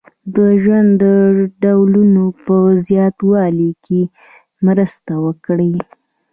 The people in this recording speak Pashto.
د ژوند د ډولونو په زیاتوالي کې مرسته وکړي.